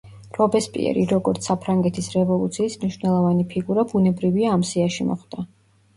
რობესპიერი, როგორც საფრანგეთის რევოლუციის მნიშვნელოვანი ფიგურა, ბუნებრივია ამ სიაში მოხვდა.